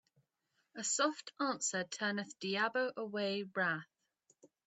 A soft answer turneth diabo away wrath